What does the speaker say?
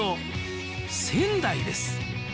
仙台です